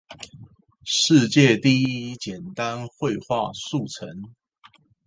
世界第一簡單會話速成